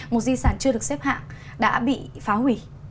một di sản chưa được xếp hạng đã bị phá hủy